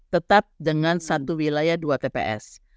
tetap dengan satu wilayah dua tps